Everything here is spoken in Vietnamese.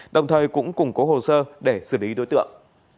đồng thời cũng củng cố hồ sơ để xử lý đối tượng